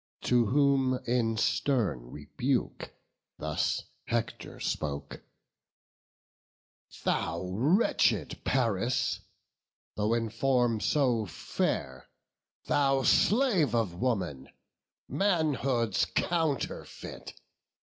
To whom in stern rebuke thus Hector spoke: "Thou wretched Paris, though in form so fair, Thou slave of woman, manhood's counterfeit!